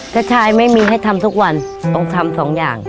กระชายไม่มีให้ทำทุกวันต้องทำสองอย่าง